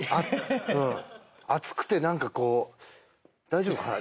うんアツくて何かこう大丈夫かな？